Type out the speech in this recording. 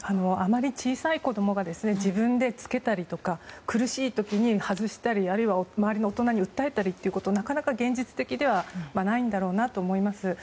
あまり小さい子供が自分で着けたりとか、苦しい時に外したり、周りの大人に訴えたりということはなかなか現実的ではないんだと思います。